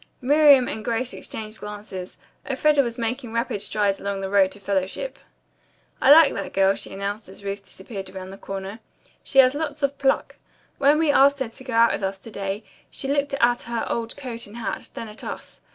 Miriam and Grace exchanged glances. Elfreda was making rapid strides along the road to fellowship. "I like that girl," she announced as Ruth disappeared around the corner. "She has lots of pluck. When we asked her to go out with us to day she looked at her old coat and hat, then at us.